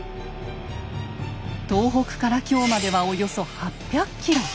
東北から京までおよそ８００ｋｍ！